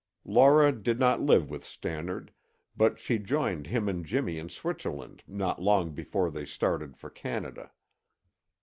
Laura did not live with Stannard, but she joined him and Jimmy in Switzerland not long before they started for Canada.